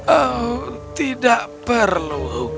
oh tidak perlu